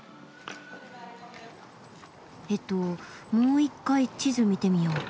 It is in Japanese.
えっともう一回地図見てみよう。